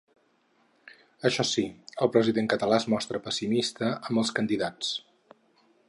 Això sí, el president català es mostra pessimista amb els candidats.